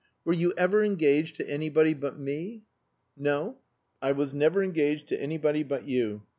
Were you ever engaged to anybody but me?" "No; I was never engaged to anybody but you."